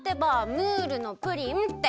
「ムールのプリン」って。